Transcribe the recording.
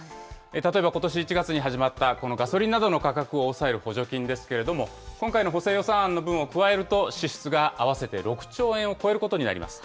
例えば、ことし１月に始まったこのガソリンなどの価格を抑える補助金ですけれども、今回の補正予算案の分を加えると、支出が合わせて６兆円を超えることになります。